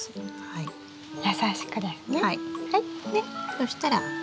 そしたら。